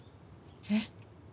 えっ？